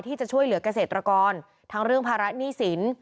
ที่จะช่วยเหลือกเกษตรกรทั้งเรื่องภาระหนี้สิน